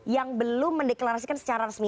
yang belum mendeklarasikan secara resmi